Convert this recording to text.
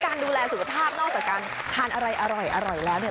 การดูแลสุขภาพนอกจากการทานอะไรอร่อยแล้วเนี่ย